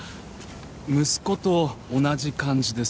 息子と同じ漢字です。